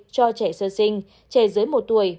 cho trẻ sơ sinh trẻ dưới một tuổi